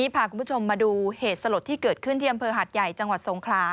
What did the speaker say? พาคุณผู้ชมมาดูเหตุสลดที่เกิดขึ้นที่อำเภอหัดใหญ่จังหวัดสงขลา